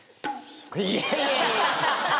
いやいやいやいや。